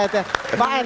second ya pak edwan